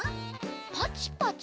パチパチ？